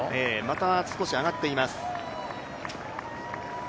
また少し上がっています。